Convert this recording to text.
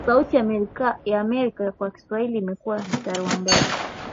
sauti ya Amerika kwa Kiswahili imekua mstari wa mbele